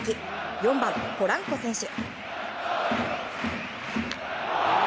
４番、ポランコ選手。